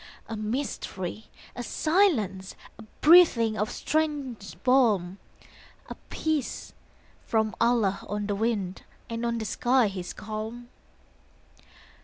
A mystery, a silence, A breathing of strange balm, A peace from Allah on the wind And on the sky his calm.